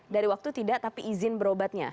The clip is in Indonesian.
dari waktu tidak tapi izin berobatnya